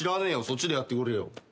そっちでやってくれよ。